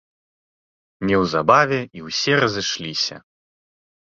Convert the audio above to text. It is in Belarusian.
Неўзабаве і ўсе разышліся.